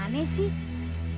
ini pak ini pak rt